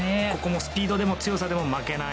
スピードでも強さでも負けない。